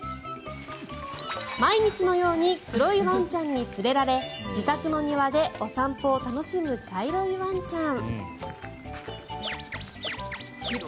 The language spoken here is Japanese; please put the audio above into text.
毎日のように黒いワンちゃんに連れられ自宅の庭でお散歩を楽しむ茶色いワンちゃん。